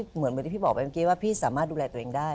เหมือนที่พี่บอกไปเมื่อกี้ว่าพี่สามารถดูแลตัวเองได้